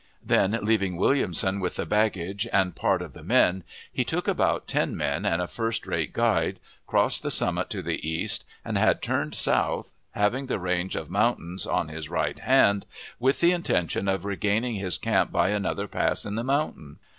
Then, leaving Williamson with the baggage and part of the men, he took about ten men and a first rate guide, crossed the summit to the east, and had turned south, having the range of mountains on his right hand, with the intention of regaining his camp by another pass in the mountain.